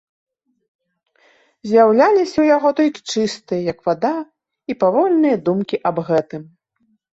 З'яўляліся ў яго толькі чыстыя, як вада, і павольныя думкі аб гэтым.